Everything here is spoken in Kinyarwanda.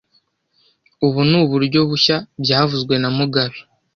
Ubu ni uburyo bushya byavuzwe na mugabe